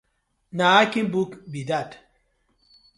Na Akin book bi dat.